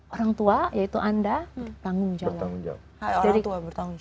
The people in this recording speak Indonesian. orang tua yaitu anda tanggung jawab